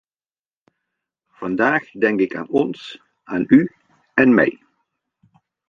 Vandaag denk ik aan ons, aan u en mij.